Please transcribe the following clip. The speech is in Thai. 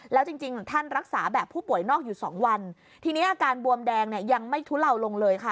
แล้วจริงจริงท่านรักษาแบบผู้ป่วยนอกอยู่สองวันทีนี้อาการบวมแดงเนี่ยยังไม่ทุเลาลงเลยค่ะ